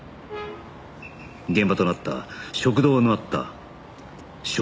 現場となった食堂のあった商店街は今